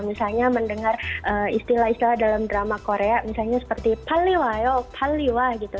misalnya mendengar istilah istilah dalam drama korea misalnya seperti palewayo paliwah gitu